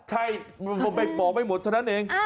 ใช่บอกไม่หมดเท่านั้นเอง